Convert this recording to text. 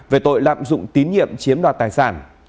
về tội lạm dụng tín nhiệm chiếm đoạt tài sản